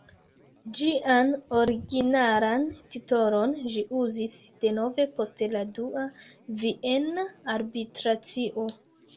Ĝian originalan titolon ĝi uzis denove post la dua Viena arbitracio.